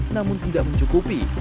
namun tidak mencukupi